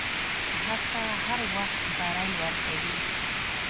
هڅه هر وخت بری ورکوي.